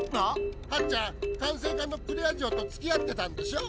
ハッちゃん管制課のクレア嬢とつきあってたんでしょ？